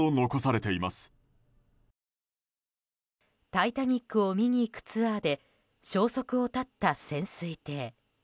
「タイタニック」を見に行くツアーで、消息を絶った潜水艇。